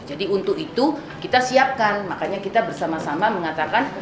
jadi untuk itu kita siapkan makanya kita bersama sama mengatakan